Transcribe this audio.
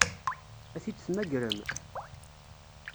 Ad t-id-temmagrem?